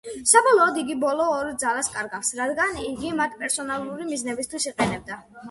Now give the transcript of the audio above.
საბოლოოდ იგი ბოლო ორ ძალას კარგავს, რადგან იგი მათ პერსონალური მიზნებისთვის იყენებდა.